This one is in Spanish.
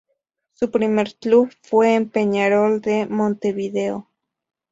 Su primer club fue el Peñarol de Montevideo.